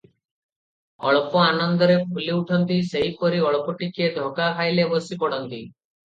ଅଳ୍ପ ଆନନ୍ଦରେ ଫୁଲି ଉଠନ୍ତି, ସେହିପରି ଅଳ୍ପ ଟିକିଏ ଧକା ଖାଇଲେ ବସି ପଡନ୍ତି ।